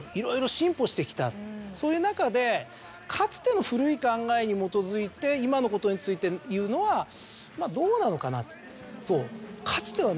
そういう中でかつての古い考えに基づいて今のことについて言うのはまぁどうなのかなと。